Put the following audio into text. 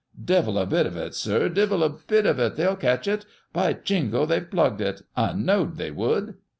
"Devil a bit o't, sir; devila bit o't, they'll ketch it. By jingo, they've plugged it ! I know'd they would